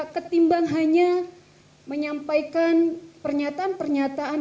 ketimbang hanya menyampaikan pernyataan pernyataan